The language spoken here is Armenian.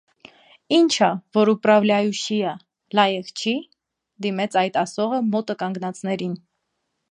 - Ի՞նչ ա, որ ուպրավլաուշչի ա, լայեղ չի՞,- դիմեց այդ ասողը մոտը կանգնածներին: